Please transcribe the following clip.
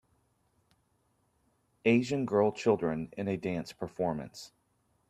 Asian girl children in a dance performance.